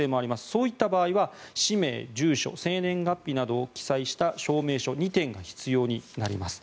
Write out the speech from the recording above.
そういった場合は氏名、住所、生年月日などを記載した証明書２点が必要になります。